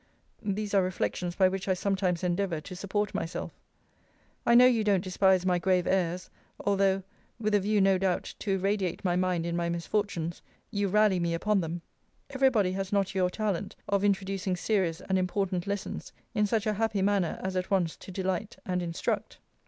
These are reflections by which I sometimes endeavour to support myself. I know you don't despise my grave airs, although (with a view no doubt to irradiate my mind in my misfortunes) you rally me upon them. Every body has not your talent of introducing serious and important lessons, in such a happy manner as at once to delight and instruct.